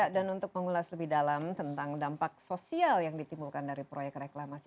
dan untuk mengulas lebih dalam tentang dampak sosial yang ditimbulkan dari proyek reklamasi